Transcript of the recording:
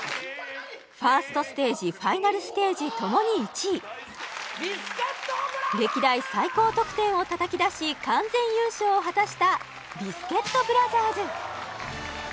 ファーストステージファイナルステージともに１位歴代最高得点をたたき出し完全優勝を果たしたビスケットブラザーズ